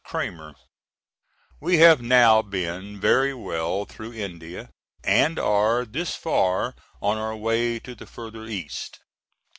CRAMER: We have now been very well through India and are this far on our way to the farther East.